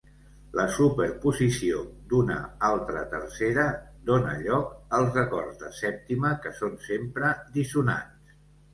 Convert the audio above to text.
La superposició d'una altra tercera dóna lloc als acords de sèptima que són sempre dissonants.